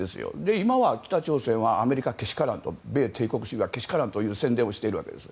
今は北朝鮮はアメリカけしからんと米帝国主義はけしからんということをしているわけです。